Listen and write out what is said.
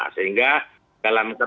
sehingga dalam ketepatan